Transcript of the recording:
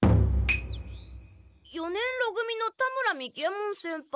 四年ろ組の田村三木ヱ門先輩。